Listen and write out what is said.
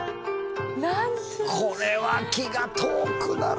これは気が遠くなる。